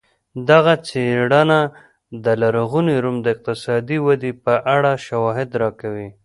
دغه څېړنه د لرغوني روم د اقتصادي ودې په اړه شواهد راکوي